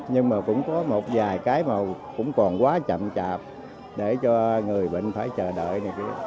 nhưng mà cũng có một vài cái mà cũng còn quá chậm chạp để cho người bệnh phải chờ đợi này